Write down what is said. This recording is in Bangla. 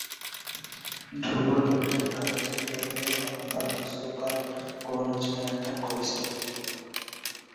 ধ্রুব দক্ষিণ ভারতে ফিরে গেলে ধর্মপাল কিছুকাল কনৌজ নিয়ন্ত্রণ করেছিলেন।